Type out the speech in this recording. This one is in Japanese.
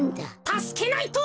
たすけないと！